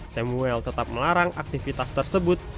samuel tetap melarang aktivitas tersebut